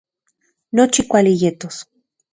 Nochi kuali yetos